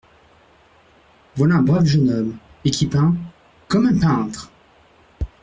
Voilà un brave jeune homme, et qui peint… comme un peintre !